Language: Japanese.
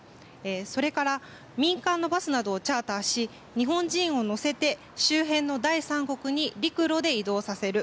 それから民間のバスなどをチャーターし日本人を乗せて、周辺の第３国に陸路で移動させる。